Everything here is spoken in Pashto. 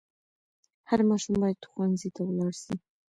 هر ماشوم باید ښوونځي ته ولاړ سي.